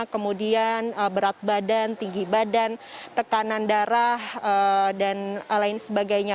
kemudian berat badan tinggi badan tekanan darah dan lain sebagainya